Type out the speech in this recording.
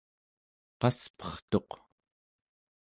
qaspertuq